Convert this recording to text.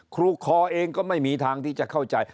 ครูคอเองก็ไม่มีทางที่จะเข้าใจ